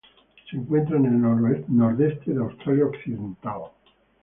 Se encuentra en el nordeste de Australia Occidental.